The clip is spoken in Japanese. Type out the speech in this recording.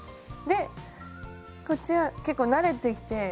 でこっちは結構慣れてきて。